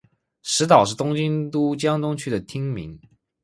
石岛是东京都江东区的町名。